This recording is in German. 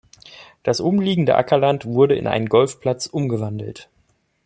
Das umliegende Ackerland wurde in einen Golfplatz umgewandelt.